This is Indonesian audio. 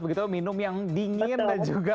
begitu minum yang dingin dan juga